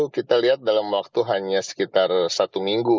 kita lihat dalam waktu hanya sekitar satu minggu